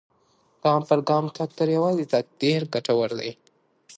ګام پر ګام تګ تر یوازي تګ ډېر ګټور دی.